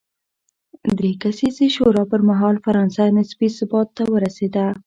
درې کسیزې شورا پر مهال فرانسه نسبي ثبات ته ورسېده.